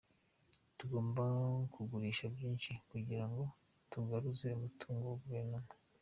Tugomba kugurisha myinshi kugira ngo tugaruze umutungo wa guverinoma.